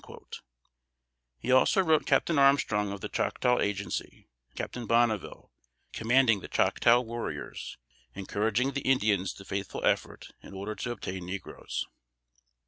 He also wrote Captain Armstrong of the Choctaw agency, and Captain Bonneville, commanding the Choctaw warriors, encouraging the Indians to faithful effort in order to obtain negroes.